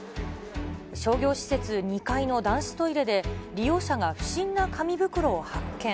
商業施設２階の男子トイレで、利用者が不審な紙袋を発見。